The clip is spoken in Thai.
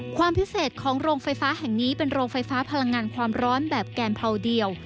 ความพิเศษของโรงไฟฟ้าแห่งนี้เป็นโรงไฟฟ้าพลังงานความร้อนแบบแกนเผาเดียว